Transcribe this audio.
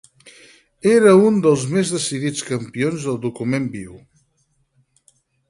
Era un dels més decidits campions del document viu